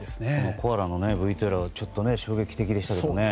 コアラのＶＴＲはちょっと衝撃的でしたけどね。